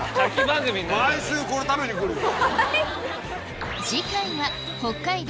毎週これ食べに来るよ。